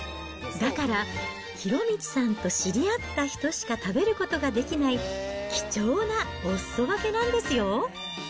だから、博道さんと知り合った人しか食べることができない、貴重なおすそ分けなんですよ。